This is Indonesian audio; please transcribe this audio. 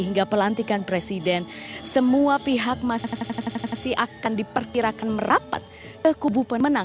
hingga pelantikan presiden semua pihak akan diperkirakan merapat ke kubu pemenang